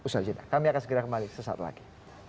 ustaz cinta kami akan segera kembali sesaat lagi